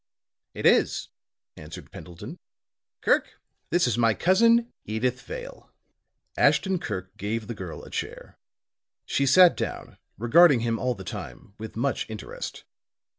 "It is," answered Pendleton. "Kirk, this is my cousin, Edyth Vale." Ashton Kirk gave the girl a chair; she sat down, regarding him all the time with much interest.